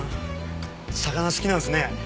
魚好きなんですね。